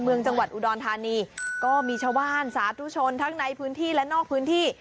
เมืองจังหวัดอุดรธานีก็มีชาวบ้านสาธุชนทั้งในพื้นที่และนอกพื้นที่